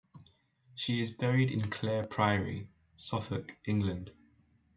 She is buried in Clare Priory, Suffolk, England.